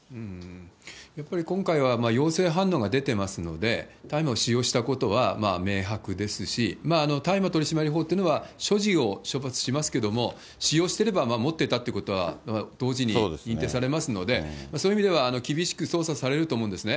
やっぱり今回は、陽性反応が出てますので、大麻を使用したことは明白ですし、大麻取締法というのは所持を、処罰しますけれども、使用してれば、持ってたということは同時に認定されますので、そういう意味では、厳しく捜査されると思うんですね。